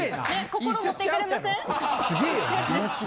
心持っていかれません？